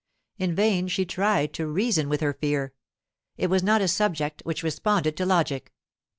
In vain she tried to reason with her fear; it was not a subject which responded to logic.